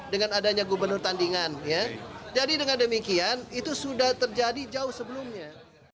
dengan adanya gubernur tandingan jadi dengan demikian itu sudah terjadi jauh sebelumnya